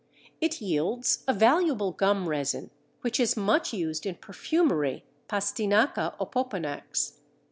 It yields a valuable gum resin, which is much used in perfumery (Pastinaca opoponax).